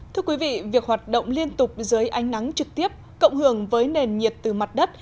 thưa quý vị việc hoạt động liên tục dưới ánh nắng trực tiếp cộng hưởng với nền nhiệt từ mặt đất